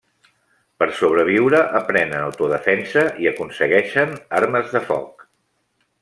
Per sobreviure aprenen autodefensa i aconsegueixen armes de foc.